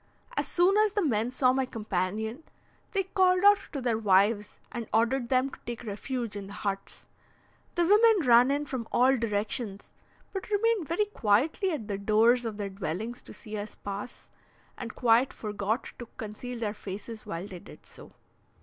As soon as the men saw my companion, they called out to their wives, and ordered them to take refuge in the huts. The women ran in from all directions, but remained very quietly at the doors of their dwellings to see us pass, and quite forgot to conceal their faces while they did so.